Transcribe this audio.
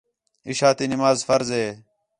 عِشاء تی نماز فرض ہِے